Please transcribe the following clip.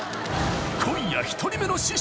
［今夜１人目の師匠］